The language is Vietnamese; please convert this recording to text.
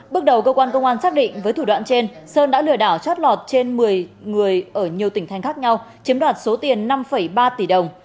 bước đầu cơ quan công an xác định với thủ đoạn trên sơn đã lừa đảo chót lọt trên một mươi người ở nhiều tỉnh thanh khác nhau chiếm đoạt số tiền năm ba tỷ đồng